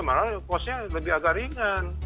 malah kosnya lebih agak ringan